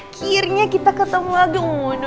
akhirnya kita ketemu lagi